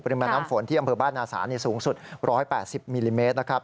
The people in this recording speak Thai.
ปริมาณน้ำฝนที่อำเภอบ้านนาศาลสูงสุด๑๘๐มิลลิเมตรนะครับ